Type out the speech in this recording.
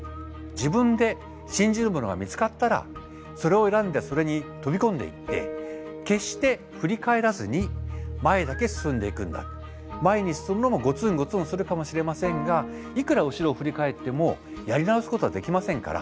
自分で信じるものが見つかったらそれを選んでそれに飛び込んでいって前に進むのもゴツンゴツンするかもしれませんがいくら後ろを振り返ってもやり直すことはできませんから